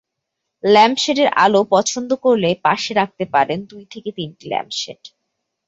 ল্যাম্পশেডের আলো পছন্দ করলে পাশে রাখতে পারেন দুই থেকে তিনটি ল্যাম্পশেড।